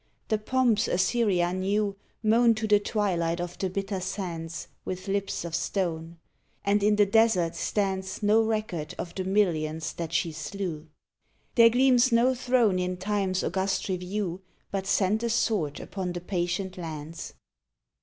The pomps Assyria knew Moan to the twilight of the bitter sands With lips of stone, and in the desert stands No record of the millions that she slew. There gleams no throne in Time s august review But sent a sword upon the patient lands.